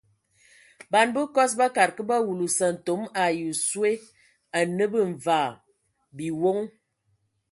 Ban bəkɔs bakad kə ba wulu sƐntome ai oswe osə anə bə mvaa biwoŋ.